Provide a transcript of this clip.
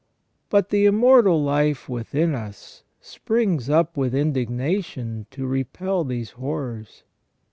But the immortal life within us springs up with indignation to repel these horrors.